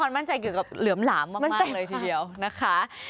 มั่นใจเกี่ยวกับเหลือมหลามมากเลยทีเดียวนะคะ